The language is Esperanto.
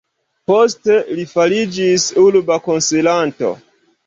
Poste li fariĝis urba konsilanto.